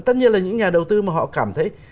tất nhiên là những nhà đầu tư mà họ cảm thấy